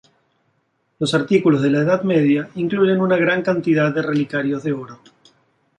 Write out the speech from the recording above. Los artículos de la Edad Media incluyen una gran cantidad de relicarios de oro.